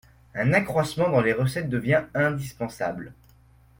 Un accroissement dans les recettes devient indispensable.